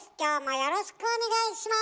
よろしくお願いします。